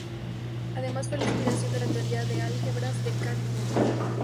Además fue la inspiradora de la teoría de álgebras de Kac-Moody.